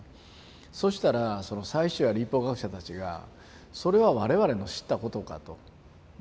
そしたらその祭司長や律法学者たちがそれは我々の知ったことかと。